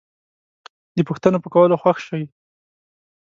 د پوښتنو په کولو خوښ شئ